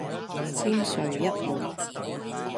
先睡一會